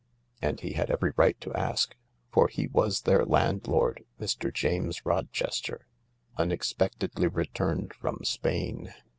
" And he had every right to ask, for he was their landlord, Mr. James Rochester, unexpectedly returned from Spain.